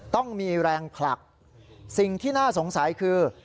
ต้องมีแรงผลักสิ่งที่น่าสงสัยคือ